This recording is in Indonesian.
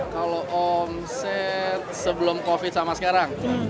kalau omset sebelum covid sama sekarang